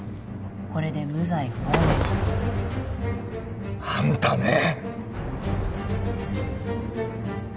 これで無罪放免あんたねえ！